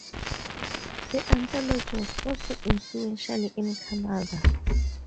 The anthology was also influential in Canada.